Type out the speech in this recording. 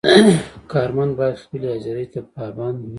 کارمند باید خپلې حاضرۍ ته پابند وي.